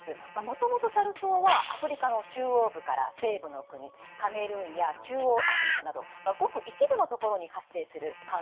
もともとサル痘はアフリカの中央部から西部の国カメルーンや中央アフリカなどごく一部の所に発生する感染症でした。